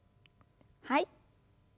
はい。